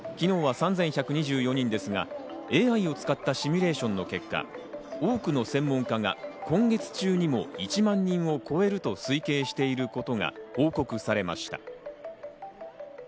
昨日は３１２４人ですが、ＡＩを使ったシミュレーションの結果、多くの専門家が今月中にも１万人を超えると推計していることが報告されました。